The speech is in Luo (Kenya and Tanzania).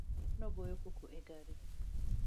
Nogoyo koko e gari.